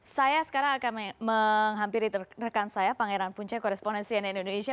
saya sekarang akan menghampiri rekan saya pangeran punca korespondensi nn indonesia